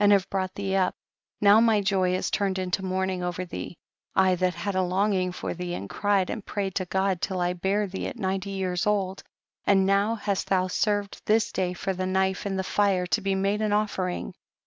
69 have brought thee up ; 7iow my joy is turned into mourning over thee, 1 that had a longing for thee, and cried and prayed to God till I bare thee at ninety years old ; and now hast thou served this day for the knife and the fire, to be made an offering.